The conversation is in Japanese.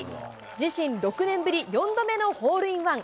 自身６年ぶり４度目のホールインワン。